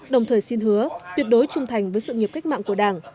đồng thời xin hứa tuyệt đối trung thành với sự nghiệp cách mạng của đảng